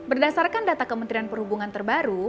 berdasarkan data kementerian perhubungan terbaru